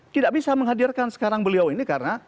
tidak bisa menghadirkan sekarang beliau ini karena